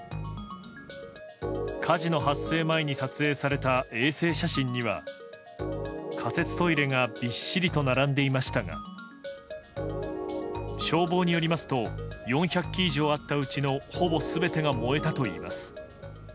火事の発生前に撮影された衛星写真には仮設トイレがびっしりと並んでいましたが消防によりますと４００基以上あったうちのほぼ全てが燃えたといいます。